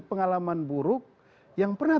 pengalaman buruk yang pernah